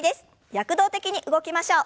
躍動的に動きましょう。